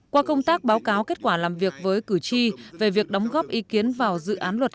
qua công tác báo cáo kết quả làm việc với cử tri về việc đóng góp ý kiến vào dự án luật